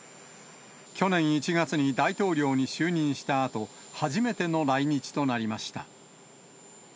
去年１月に大統領に就任したあと、初めての来日となりました。